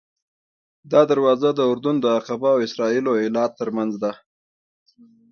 دا دروازه د اردن د عقبه او اسرائیلو ایلات ترمنځ ده.